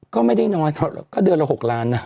ก็ไม่ได้น้อยก็เดือนละ๖ล้านนะ